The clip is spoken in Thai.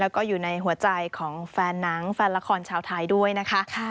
แล้วก็อยู่ในหัวใจของแฟนหนังแฟนละครชาวไทยด้วยนะคะ